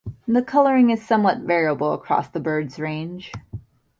The colouring is somewhat variable across the bird's range.